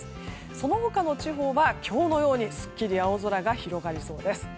その他の地方は今日のようにすっきり青空が広がりそうです。